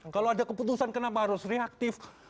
kalau ada keputusan kenapa harus reaktif